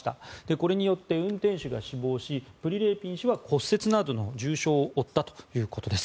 これによって運転手が死亡しプリレーピン氏は骨折などの重傷を負ったということです。